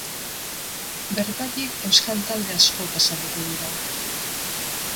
Bertatik euskal talde asko pasatuko dira.